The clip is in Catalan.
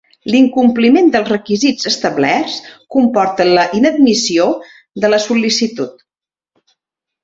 L'incompliment dels requisits establerts comporta la inadmissió de la sol·licitud.